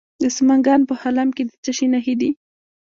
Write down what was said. د سمنګان په خلم کې د څه شي نښې دي؟